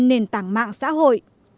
nền tảng mạng xã hội